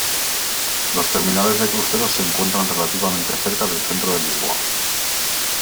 Los terminales de cruceros se encuentran relativamente cerca del centro de Lisboa.